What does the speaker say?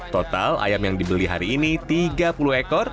total ayam yang dibeli hari ini tiga puluh ekor